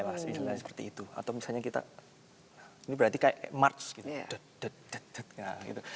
misalnya seperti itu atau misalnya kita ini berarti kayak march gitu dedeknya gitu